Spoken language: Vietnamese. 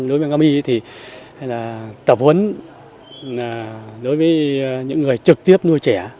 đối với nga my thì tập huấn đối với những người trực tiếp nuôi trẻ